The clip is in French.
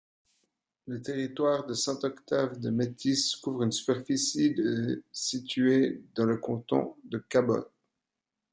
Le territoire de Saint-Octave-de-Métis couvre une superficie de situé dans le canton de Cabot.